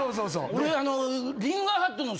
俺あのリンガーハットの。